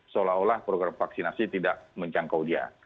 seolah olah program vaksinasi tidak menjangkau dia